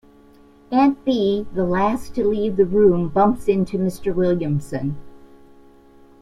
Aunt Bea, the last to leave the room, bumps into Mr. Williamson.